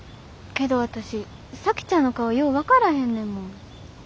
けど私咲妃ちゃんの顔よう分からへんねんもん。